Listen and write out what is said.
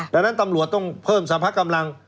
ดังนั้นตำรวจต้องเพิ่มสรรพกำลัง